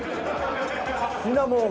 シナモン。